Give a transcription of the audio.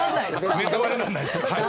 ネタバレにならないです。